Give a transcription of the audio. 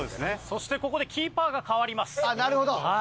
そしてここでキーパーが代わります。